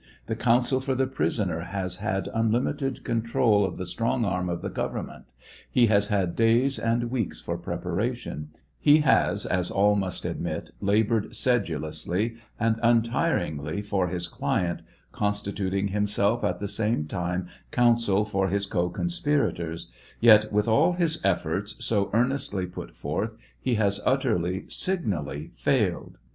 The counsel for the prisoner has had unlimited control of the strong arm of the government ; he has had days and weeks for preparation ; he has, as all must admit, labored sedulously and untiringly for his client, constituting him self at the same time counsel for his co conspirators, yet, with all his efforts, so earnestly put forth, he has utterly, signally failed.